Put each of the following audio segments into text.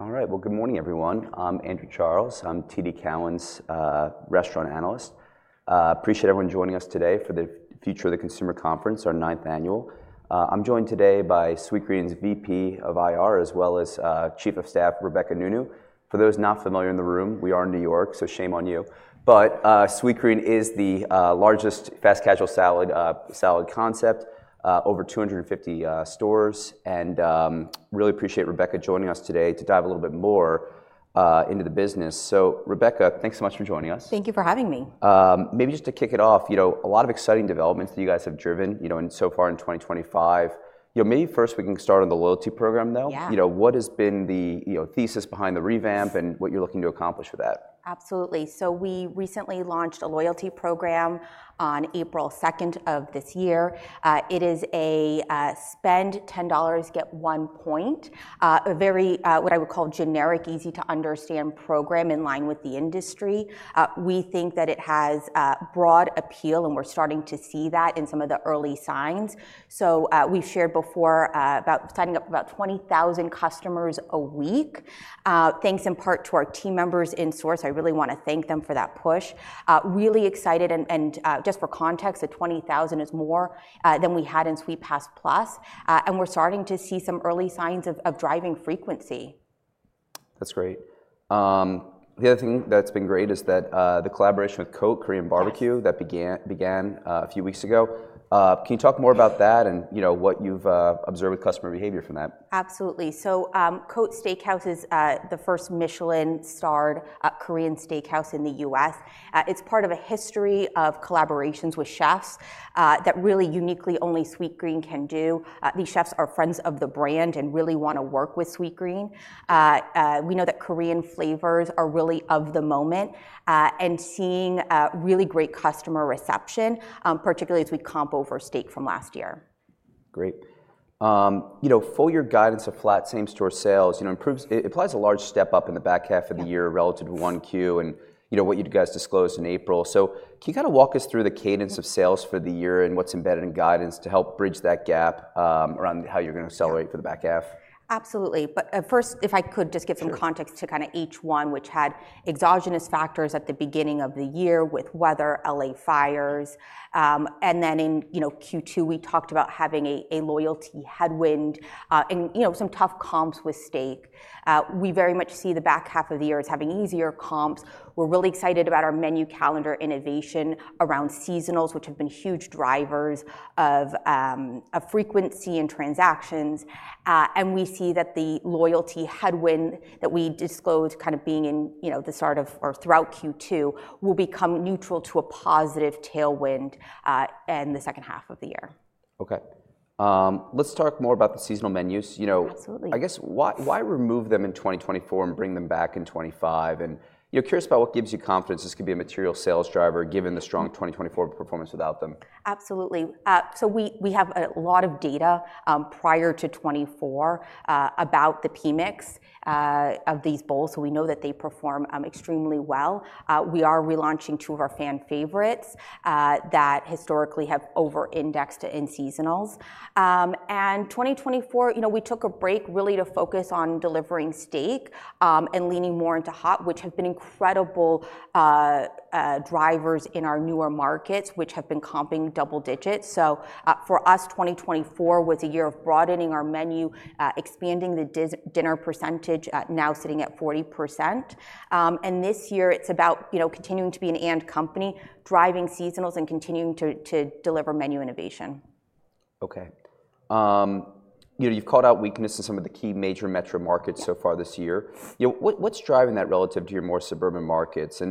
All right, good morning, everyone. I'm Andrew Charles. I'm TD Cowen's restaurant analyst. Appreciate everyone joining us today for the Future of the Consumer Conference, our ninth annual. I'm joined today by Sweetgreen's VP of IR, as well as Chief of Staff Rebecca Nounou. For those not familiar in the room, we are in New York, so shame on you. Sweetgreen is the largest fast casual salad concept, over 250 stores, and really appreciate Rebecca joining us today to dive a little bit more into the business. Rebecca, thanks so much for joining us. Thank you for having me. Maybe just to kick it off, you know, a lot of exciting developments that you guys have driven, you know, so far in 2025. You know, maybe first we can start on the loyalty program, though. Yeah. You know, what has been the thesis behind the revamp and what you're looking to accomplish with that? Absolutely. We recently launched a loyalty program on April 2nd of this year. It is a spend $10, get one point, a very, what I would call, generic, easy-to-understand program in line with the industry. We think that it has broad appeal, and we are starting to see that in some of the early signs. We have shared before about signing up about 20,000 customers a week, thanks in part to our team members in Source. I really want to thank them for that push. Really excited, and just for context, the 20,000 is more than we had in Sweetpass+, and we are starting to see some early signs of driving frequency. That's great. The other thing that's been great is that the collaboration with COTE Korean barbecue, that began a few weeks ago. Can you talk more about that and, you know, what you've observed with customer behavior from that? Absolutely. COTE Steakhouse is the first Michelin-starred Korean steakhouse in the U.S. It is part of a history of collaborations with chefs that really uniquely only Sweetgreen can do. These chefs are friends of the brand and really want to work with Sweetgreen. We know that Korean flavors are really of the moment and seeing really great customer reception, particularly as we comp over steak from last year. Great. You know, full year guidance applied to same-store sales, you know, improves it implies a large step up in the back half of the year relative to 1Q and, you know, what you guys disclosed in April. Can you kind of walk us through the cadence of sales for the year and what's embedded in guidance to help bridge that gap around how you're going to accelerate for the back half? Absolutely. First, if I could just give some context to kind of H1, which had exogenous factors at the beginning of the year with weather, LA fires. In Q2, we talked about having a loyalty headwind and some tough comps with steak. We very much see the back half of the year as having easier comps. We are really excited about our menu calendar innovation around seasonals, which have been huge drivers of frequency and transactions. We see that the loyalty headwind that we disclosed kind of being in the start of or throughout Q2 will become neutral to a positive tailwind in the second half of the year. Okay. Let's talk more about the seasonal menus, you know. Absolutely. I guess, why remove them in 2024 and bring them back in 2025? And, you know, curious about what gives you confidence this could be a material sales driver given the strong 2024 performance without them. Absolutely. We have a lot of data prior to 2024 about the PMIX of these bowls. We know that they perform extremely well. We are relaunching two of our fan favorites that historically have over-indexed to in-seasonals. In 2024, you know, we took a break really to focus on delivering steak and leaning more into hot, which have been incredible drivers in our newer markets, which have been comping double digits. For us, 2024 was a year of broadening our menu, expanding the dinner percentage, now sitting at 40%. This year, it's about, you know, continuing to be an and company, driving seasonals and continuing to deliver menu innovation. Okay. You know, you've called out weaknesses in some of the key major metro markets so far this year. You know, what's driving that relative to your more suburban markets?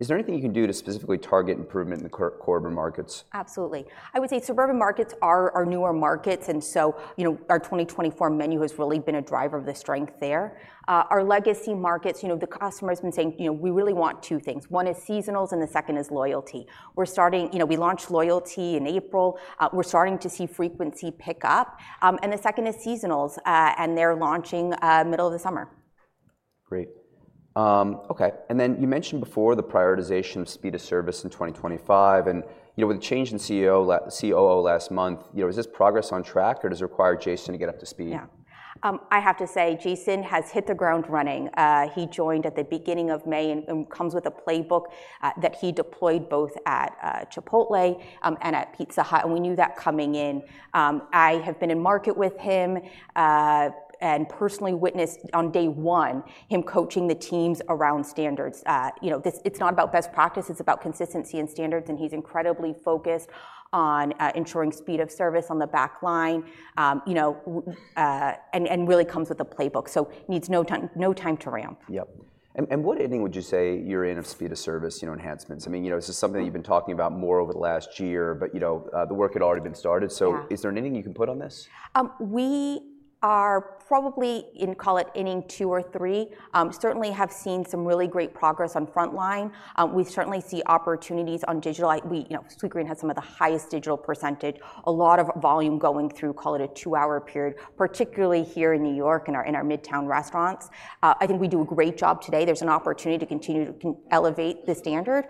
Is there anything you can do to specifically target improvement in the core urban markets? Absolutely. I would say suburban markets are our newer markets. And so, you know, our 2024 menu has really been a driver of the strength there. Our legacy markets, you know, the customer has been saying, you know, we really want two things. One is seasonals and the second is loyalty. We're starting, you know, we launched loyalty in April. We're starting to see frequency pick up. And the second is seasonals, and they're launching middle of the summer. Great. Okay. You mentioned before the prioritization of speed of service in 2025. And, you know, with the change in COO last month, you know, is this progress on track or does it require Jason to get up to speed? Yeah. I have to say, Jason has hit the ground running. He joined at the beginning of May and comes with a playbook that he deployed both at Chipotle and at Pizza Hut. We knew that coming in. I have been in market with him and personally witnessed on day one him coaching the teams around standards. You know, it's not about best practices, it's about consistency and standards. He's incredibly focused on ensuring speed of service on the back line, you know, and really comes with a playbook. Needs no time to ramp. Yep. And what inning would you say you're in of speed of service, you know, enhancements? I mean, you know, this is something that you've been talking about more over the last year, but, you know, the work had already been started. So is there an inning you can put on this? We are probably in, call it inning two or three. Certainly have seen some really great progress on front line. We certainly see opportunities on digital. We, you know, Sweetgreen has some of the highest digital percentage. A lot of volume going through, call it a two-hour period, particularly here in New York and our midtown restaurants. I think we do a great job today. There's an opportunity to continue to elevate the standard.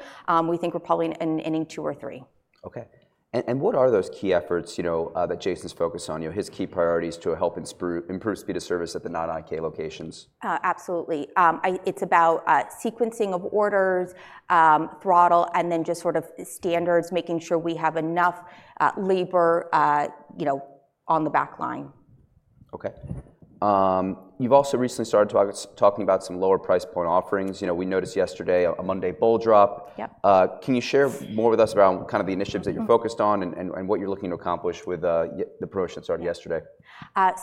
We think we're probably in inning two or three. Okay. What are those key efforts, you know, that Jason's focused on, you know, his key priorities to help improve speed of service at the non-IK locations? Absolutely. It's about sequencing of orders, throttle, and then just sort of standards, making sure we have enough labor, you know, on the back line. Okay. You've also recently started talking about some lower price point offerings. You know, we noticed yesterday a Monday bowl drop. Yep. Can you share more with us around kind of the initiatives that you're focused on and what you're looking to accomplish with the promotion that started yesterday?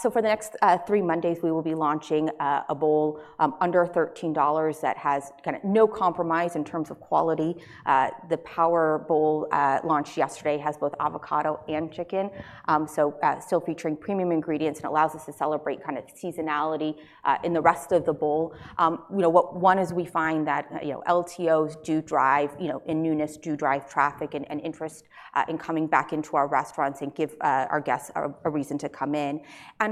For the next three Mondays, we will be launching a bowl under $13 that has kind of no compromise in terms of quality. The Power Bowl launched yesterday has both avocado and chicken. Still featuring premium ingredients and allows us to celebrate kind of seasonality in the rest of the bowl. You know, what one is we find that, you know, LTOs do drive, you know, in newness do drive traffic and interest in coming back into our restaurants and give our guests a reason to come in.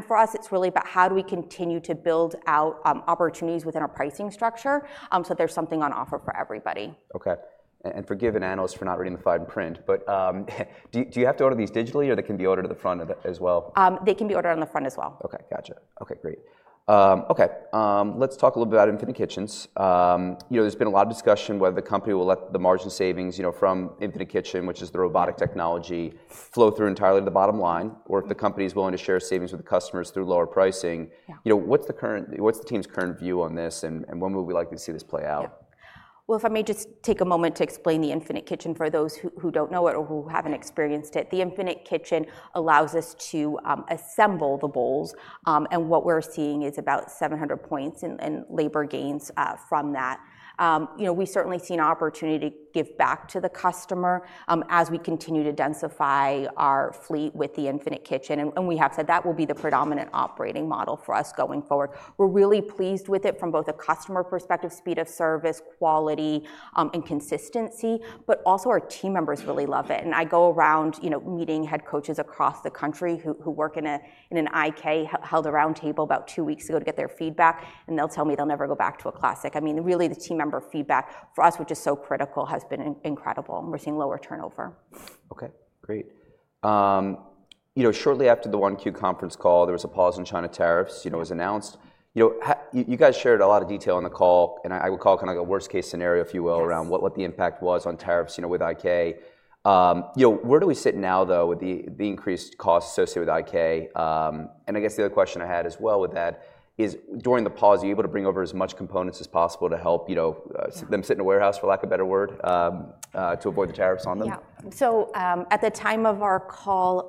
For us, it's really about how do we continue to build out opportunities within our pricing structure so there's something on offer for everybody. Okay. Forgive the analysts for not reading the fine print, but do you have to order these digitally or can they be ordered at the front as well? They can be ordered on the front as well. Okay. Gotcha. Okay. Great. Okay. Let's talk a little bit about Infinite Kitchens. You know, there's been a lot of discussion whether the company will let the margin savings, you know, from Infinite Kitchen, which is the robotic technology, flow through entirely to the bottom line or if the company is willing to share savings with the customers through lower pricing. You know, what's the current, what's the team's current view on this and when would we like to see this play out? If I may just take a moment to explain the Infinite Kitchen for those who do not know it or who have not experienced it. The Infinite Kitchen allows us to assemble the bowls. What we are seeing is about 700 basis points in labor gains from that. You know, we have certainly seen an opportunity to give back to the customer as we continue to densify our fleet with the Infinite Kitchen. We have said that will be the predominant operating model for us going forward. We are really pleased with it from both a customer perspective, speed of service, quality, and consistency, but also our team members really love it. I go around, you know, meeting head coaches across the country who work in an IK, held a roundtable about two weeks ago to get their feedback, and they will tell me they will never go back to a classic. I mean, really the team member feedback for us, which is so critical, has been incredible. We're seeing lower turnover. Okay. Great. You know, shortly after the one Q conference call, there was a pause in China tariffs, you know, was announced. You know, you guys shared a lot of detail on the call, and I would call it kind of a worst case scenario, if you will, around what the impact was on tariffs, you know, with IK. You know, where do we sit now, though, with the increased costs associated with IK? And I guess the other question I had as well with that is during the pause, are you able to bring over as much components as possible to help, you know, them sit in a warehouse, for lack of a better word, to avoid the tariffs on them? Yeah. At the time of our call,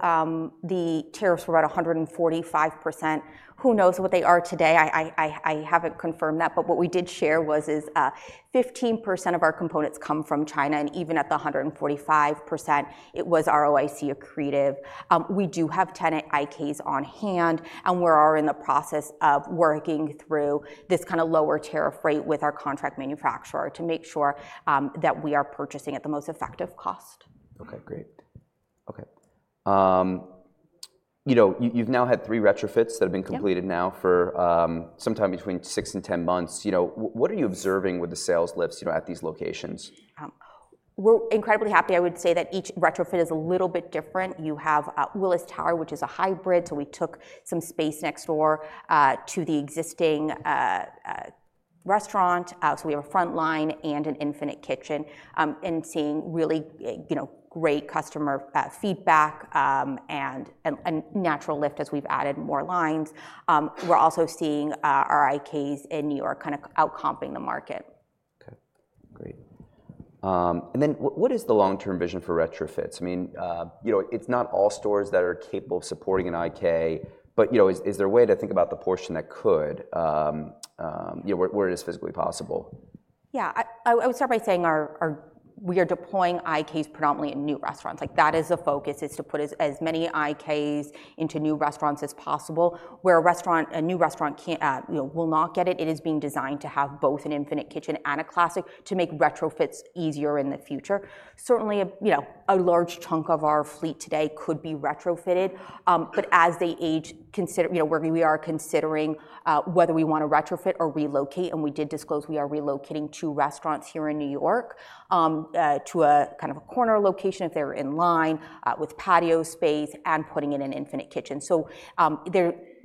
the tariffs were about 145%. Who knows what they are today? I haven't confirmed that, but what we did share was 15% of our components come from China. Even at the 145%, it was ROIC accretive. We do have ten IKs on hand, and we are in the process of working through this kind of lower tariff rate with our contract manufacturer to make sure that we are purchasing at the most effective cost. Okay. Great. Okay. You know, you've now had three retrofits that have been completed now for some time between six and ten months. You know, what are you observing with the sales lifts, you know, at these locations? We're incredibly happy. I would say that each retrofit is a little bit different. You have Willis Tower, which is a hybrid. We took some space next door to the existing restaurant. We have a front line and an Infinite Kitchen. Seeing really, you know, great customer feedback and a natural lift as we've added more lines. We're also seeing our IKs in New York kind of outcomping the market. Okay. Great. What is the long-term vision for retrofits? I mean, you know, it's not all stores that are capable of supporting an IK, but, you know, is there a way to think about the portion that could, you know, where it is physically possible? Yeah. I would start by saying we are deploying IKs predominantly in new restaurants. Like that is the focus, is to put as many IKs into new restaurants as possible. Where a restaurant, a new restaurant can't, you know, will not get it, it is being designed to have both an Infinite Kitchen and a Classic to make retrofits easier in the future. Certainly, you know, a large chunk of our fleet today could be retrofitted. As they age, consider, you know, where we are considering whether we want to retrofit or relocate. We did disclose we are relocating two restaurants here in New York to a kind of a corner location if they're in line with patio space and putting in an Infinite Kitchen.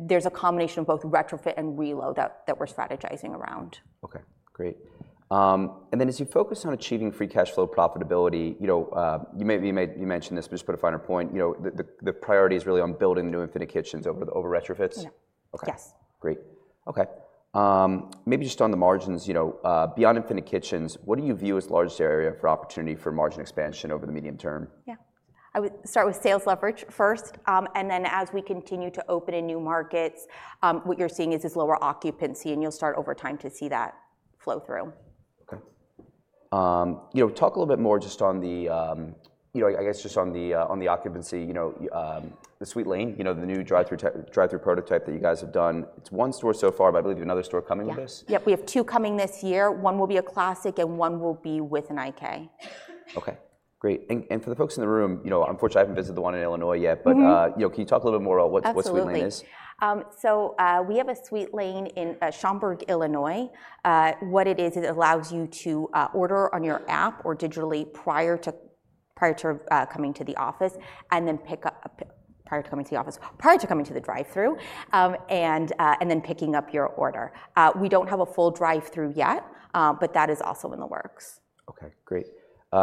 There's a combination of both retrofit and reload that we're strategizing around. Okay. Great. And then as you focus on achieving free cash flow profitability, you know, maybe you mentioned this, but just to put a finer point, you know, the priority is really on building the new Infinite Kitchens over retrofits? Yes. Okay. Great. Okay. Maybe just on the margins, you know, beyond Infinite Kitchen, what do you view as the largest area for opportunity for margin expansion over the medium term? Yeah. I would start with sales leverage first. As we continue to open in new markets, what you're seeing is lower occupancy, and you'll start over time to see that flow through. Okay. You know, talk a little bit more just on the, you know, I guess just on the occupancy, you know, the Sweetgreen, you know, the new drive-through prototype that you guys have done. It's one store so far, but I believe another store coming with this? Yep. We have two coming this year. One will be a Classic and one will be with an IK. Okay. Great. For the folks in the room, you know, unfortunately, I haven't visited the one in Illinois yet, but, you know, can you talk a little bit more about what Sweetgreen is? Absolutely. We have a Sweetgreen in Schaumburg, Illinois. What it is, it allows you to order on your app or digitally prior to coming to the office and then pick up prior to coming to the office, prior to coming to the drive-through and then picking up your order. We do not have a full drive-through yet, but that is also in the works. Okay. Great.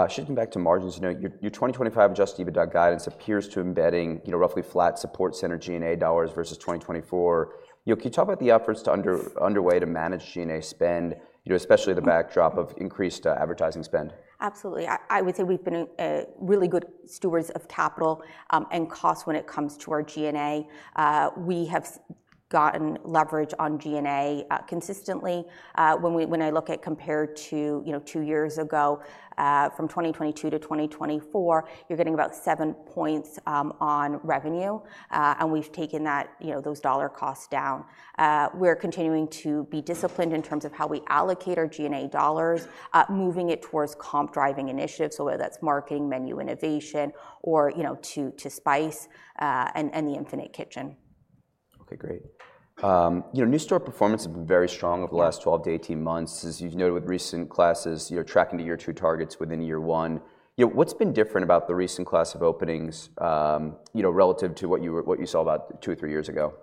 Shifting back to margins, you know, your 2025 adjusted EBITDA guidance appears to be embedding, you know, roughly flat support center G&A dollars versus 2024. You know, can you talk about the efforts underway to manage G&A spend, you know, especially the backdrop of increased advertising spend? Absolutely. I would say we've been really good stewards of capital and cost when it comes to our G&A. We have gotten leverage on G&A consistently. When I look at compared to, you know, two years ago, from 2022 to 2024, you're getting about seven points on revenue. And we've taken that, you know, those dollar costs down. We're continuing to be disciplined in terms of how we allocate our G&A dollars, moving it towards comp driving initiatives, whether that's marketing, menu innovation, or, you know, to Spice and the Infinite Kitchen. Okay. Great. You know, new store performance has been very strong over the last 12 to 18 months. As you've noted with recent classes, you're tracking to year two targets within year one. You know, what's been different about the recent class of openings, you know, relative to what you saw about two or three years ago?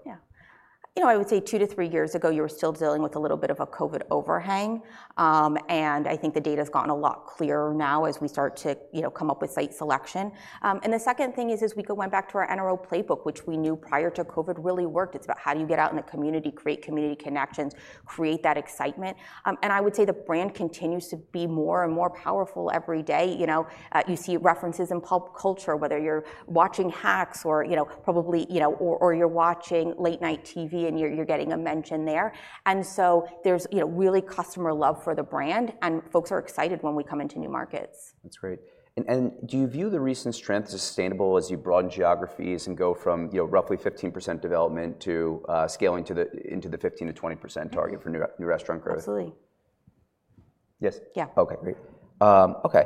Yeah. You know, I would say two to three years ago, you were still dealing with a little bit of a COVID overhang. I think the data has gotten a lot clearer now as we start to, you know, come up with site selection. The second thing is, we went back to our NRO playbook, which we knew prior to COVID really worked. It's about how do you get out in the community, create community connections, create that excitement. I would say the brand continues to be more and more powerful every day. You know, you see references in pop culture, whether you're watching Hacks or, you know, probably, you know, or you're watching late night TV and you're getting a mention there. There's, you know, really customer love for the brand and folks are excited when we come into new markets. That's great. Do you view the recent strength as sustainable as you broaden geographies and go from, you know, roughly 15% development to scaling into the 15%-20% target for new restaurant growth? Absolutely. Yes? Yeah. Okay. Great. Okay.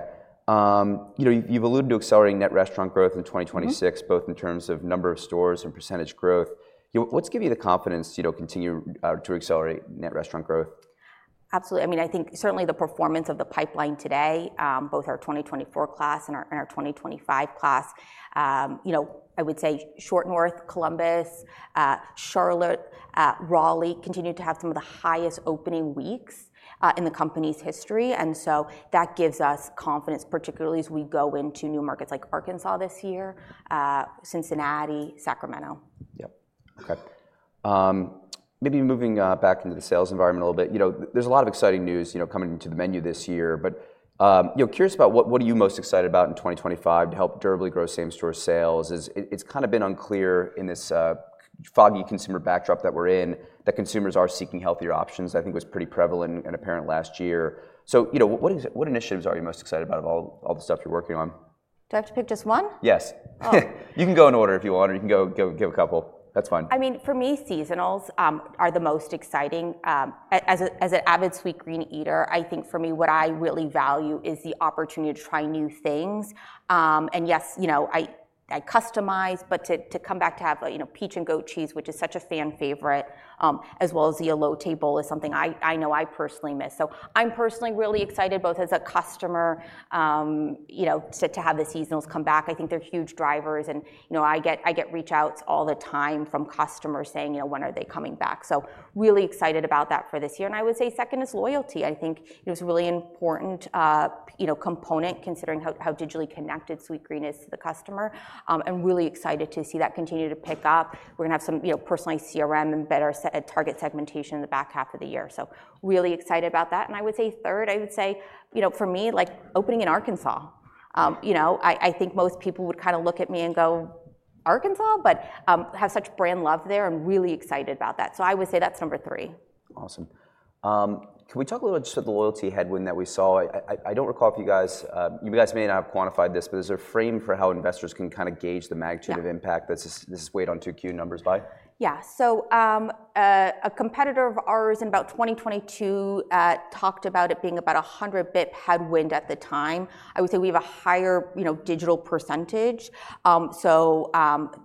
You know, you've alluded to accelerating net restaurant growth in 2026, both in terms of number of stores and percentage growth. You know, what's giving you the confidence to, you know, continue to accelerate net restaurant growth? Absolutely. I mean, I think certainly the performance of the pipeline today, both our 2024 class and our 2025 class, you know, I would say Short North, Columbus, Charlotte, Raleigh continue to have some of the highest opening weeks in the company's history. That gives us confidence, particularly as we go into new markets like Arkansas this year, Cincinnati, Sacramento. Yep. Okay. Maybe moving back into the sales environment a little bit. You know, there's a lot of exciting news, you know, coming into the menu this year, but, you know, curious about what are you most excited about in 2025 to help durably grow same-store sales? It's kind of been unclear in this foggy consumer backdrop that we're in that consumers are seeking healthier options, I think was pretty prevalent and apparent last year. So, you know, what initiatives are you most excited about of all the stuff you're working on? Do I have to pick just one? Yes. You can go in order if you want, or you can give a couple. That's fine. I mean, for me, seasonals are the most exciting. As an avid Sweetgreen eater, I think for me, what I really value is the opportunity to try new things. And yes, you know, I customize, but to come back to have, you know, peach and goat cheese, which is such a fan favorite, as well as the Yolo Bowl is something I know I personally miss. So I'm personally really excited both as a customer, you know, to have the seasonals come back. I think they're huge drivers. And, you know, I get reach outs all the time from customers saying, you know, when are they coming back? So really excited about that for this year. I would say second is loyalty. I think it was a really important, you know, component considering how digitally connected Sweetgreen is to the customer. Really excited to see that continue to pick up. We're going to have some, you know, personalized CRM and better target segmentation in the back half of the year. Really excited about that. I would say third, I would say, you know, for me, like opening in Arkansas. You know, I think most people would kind of look at me and go, Arkansas, but have such brand love there and really excited about that. I would say that's number three. Awesome. Can we talk a little bit just at the loyalty headwind that we saw? I don't recall if you guys, you guys may not have quantified this, but is there a frame for how investors can kind of gauge the magnitude of impact that this weighed on 2Q numbers by? Yeah. So a competitor of ours in about 2022 talked about it being about 100 basis points headwind at the time. I would say we have a higher, you know, digital percentage. So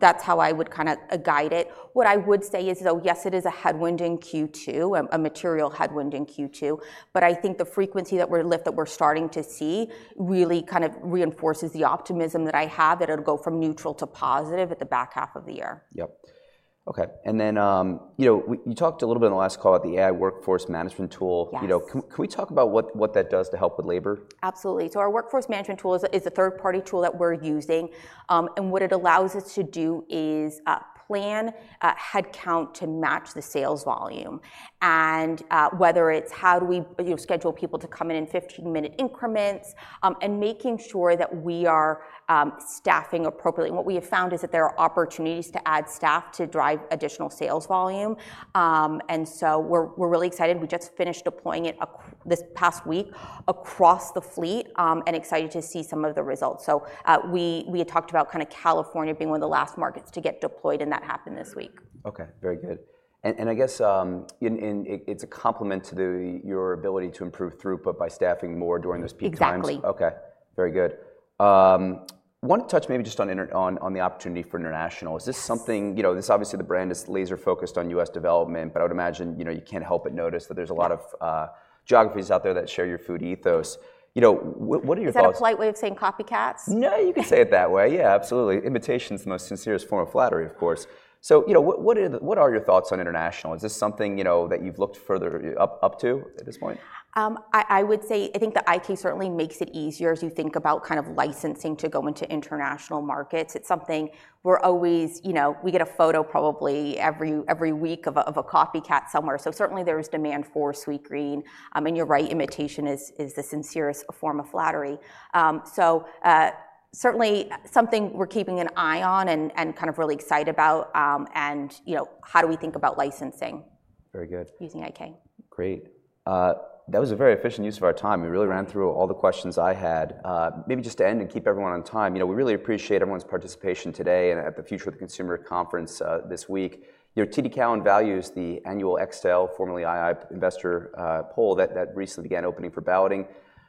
that's how I would kind of guide it. What I would say is, though, yes, it is a headwind in Q2, a material headwind in Q2, but I think the frequency that we're lift that we're starting to see really kind of reinforces the optimism that I have that it'll go from neutral to positive at the back half of the year. Yep. Okay. You know, you talked a little bit in the last call about the AI-driven labor scheduling system. You know, can we talk about what that does to help with labor? Absolutely. Our workforce management tool is a third-party tool that we're using. What it allows us to do is plan headcount to match the sales volume. Whether it's how do we, you know, schedule people to come in in 15-minute increments and making sure that we are staffing appropriately. What we have found is that there are opportunities to add staff to drive additional sales volume. We're really excited. We just finished deploying it this past week across the fleet and excited to see some of the results. We had talked about kind of California being one of the last markets to get deployed, and that happened this week. Okay. Very good. I guess it's a complement to your ability to improve throughput by staffing more during those peak times. Exactly. Okay. Very good. I want to touch maybe just on the opportunity for international. Is this something, you know, this obviously the brand is laser-focused on U.S. development, but I would imagine, you know, you can't help but notice that there's a lot of geographies out there that share your food ethos. You know, what are your thoughts? Is that a polite way of saying copycats? No, you can say it that way. Yeah, absolutely. Imitation is the sincerest form of flattery, of course. You know, what are your thoughts on international? Is this something, you know, that you've looked further up to at this point? I would say I think the IK certainly makes it easier as you think about kind of licensing to go into international markets. It's something we're always, you know, we get a photo probably every week of a copycat somewhere. Certainly there is demand for Sweetgreen. You're right, imitation is the sincerest form of flattery. Certainly something we're keeping an eye on and kind of really excited about. You know, how do we think about licensing? Very good. Using IK. Great. That was a very efficient use of our time. We really ran through all the questions I had. Maybe just to end and keep everyone on time, you know, we really appreciate everyone's participation today and at the Future of the Consumer Conference this week. You know, TD Cowen values the annual Xtel, formerly II Investor Poll that recently began opening for balloting.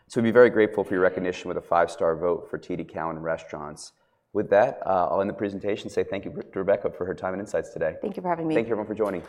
So we'd be very grateful for your recognition with a five-star vote for TD Cowen Restaurants. With that, I'll end the presentation and say thank you to Rebecca Nounou for her time and insights today. Thank you for having me. Thank you everyone for joining.